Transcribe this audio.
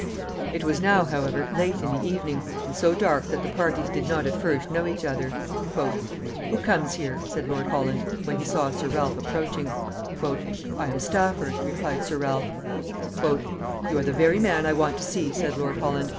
It was now, however, late in the evening, and so dark that the parties did not at first know each other. "Who comes here?" said Lord Holland, when he saw Sir Ralph approaching. "I am Stafford," replied Sir Ralph. "You are the very man I want to see," said Lord Holland.